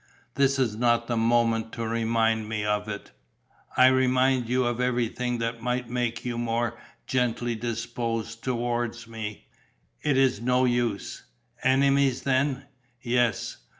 "This is not the moment to remind me of it." "I remind you of everything that might make you more gently disposed towards me." "It is no use." "Enemies then?" "Yes.